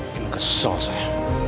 mungkin kesel saya